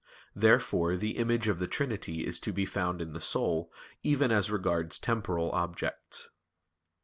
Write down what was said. Therefore the image of the Trinity is to be found in the soul, even as regards temporal objects.